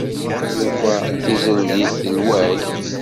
Yufa tizeldit telway.